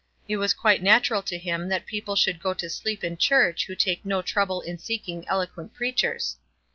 It was quite natural to him that people should go to sleep in church who take no trouble in seeking eloquent preachers.